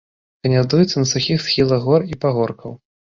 Гняздуецца на сухіх схілах гор і пагоркаў.